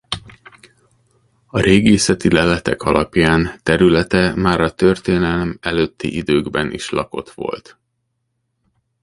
A régészeti leletek alapján területe már a történelem előtti időkben is lakott volt.